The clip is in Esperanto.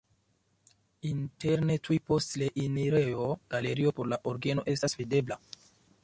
Interne tuj post le enirejo galerio por la orgeno estas videbla.